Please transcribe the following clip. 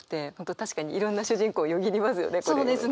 確かにいろんな主人公よぎりますよね。